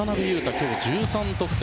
今日、１３得点。